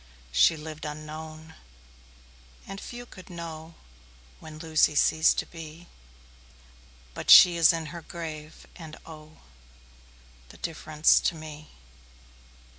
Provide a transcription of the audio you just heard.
She lived unknown, and few could know When Lucy ceased to be; 10 But she is in her grave, and, oh, The difference to me!